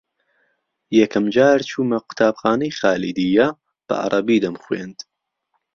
یەکەم جار چوومە قوتابخانەی خالیدیە بە عەرەبی دەمخوێند